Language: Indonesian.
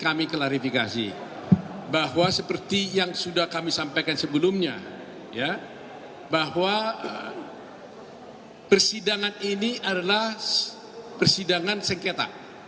kami klarifikasi bahwa seperti yang sudah kami sampaikan sebelumnya bahwa persidangan ini adalah persidangan sengketa